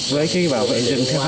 với khi bảo vệ rừng theo hai mươi bốn